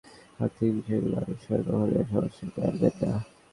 তবে তাঁর মুখপাত্র জানিয়েছেন, আর্থিক বিষয়গুলো আনুশকা কখনোই সবার সামনে আনবেন না।